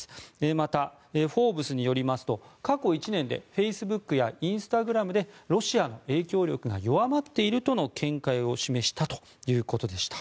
また「フォーブス」によりますと過去１年でフェイスブックやインスタグラムでロシアの影響力が弱まっているとの見解を示したということでした。